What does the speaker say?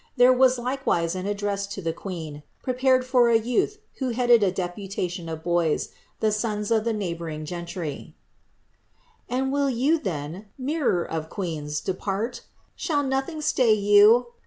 There was likewise an address to the queen, prepared for a youth who headed a deputation of boys, the sons of the neighbouring gentry :— *^And will you, then, mirror of queens, depart f Shall nothing stay you